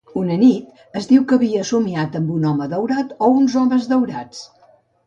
Una nit, es diu que havia somiat amb un home daurat o uns homes daurats.